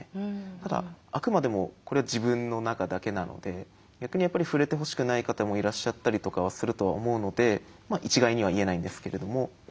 ただあくまでもこれは自分の中だけなので逆にやっぱり触れてほしくない方もいらっしゃったりとかはすると思うので一概には言えないんですけれども。